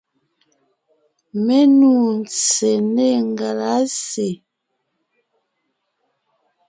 Mé nû ntse nê ngelásè.